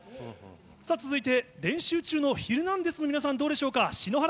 さあ、続いて練習中のヒルナンデス！の皆さん、どうでしょうか。